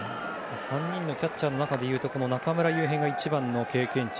３人のキャッチャーでいうと中村悠平が一番の経験値。